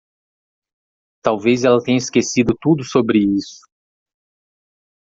Talvez ela tenha esquecido tudo sobre isso.